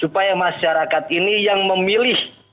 supaya masyarakat ini yang memilih